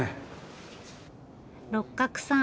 六角さん